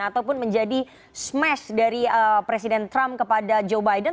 ataupun menjadi smash dari presiden trump kepada joe biden